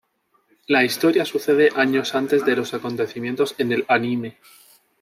La historia sucede años antes de los acontecimientos en el anime.